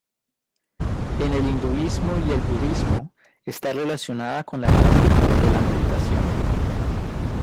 En el hinduismo y el budismo está relacionada con la práctica de la meditación.